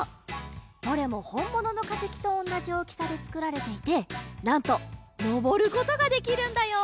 どれもほんもののかせきとおんなじおおきさでつくられていてなんとのぼることができるんだよ！